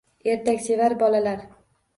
Ertak sevar bolalar